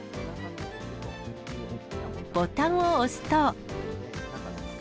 ボタンを押すと。